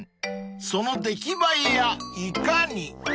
［その出来栄えやいかに］